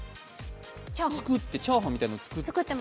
チャーハンみたいなのを作ってて。